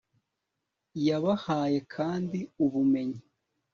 yabahaye kandi ubumenyi